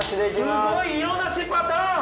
すごい！色なしパターン！